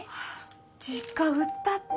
実家売ったって。